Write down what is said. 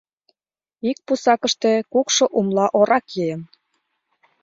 Ик пусакыште кукшо умла ора киен.